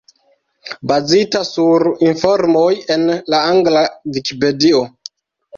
Bazita sur informoj en la angla Vikipedio.